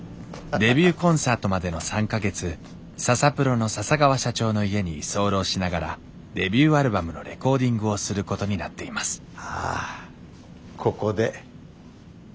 デビューコンサートまでの３か月ササプロの笹川社長の家に居候しながらデビューアルバムのレコーディングをすることになっています